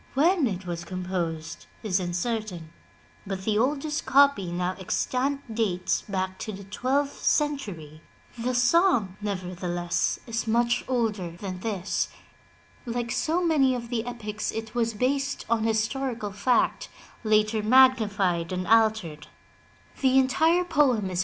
When it was composed is uncertain, but the oldest copy now extant dates back to the twelfth century. The song, nevertheless, is much older than this. Like so many of the epics it was based on his torical fact, later magnified and altered. The entire poem is *The Story of Roland by James Baldwin.